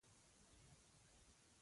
تله د انارو د پاخه کیدو میاشت ده.